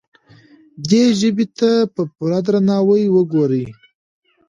دې ژبې ته په پوره درناوي وګورئ.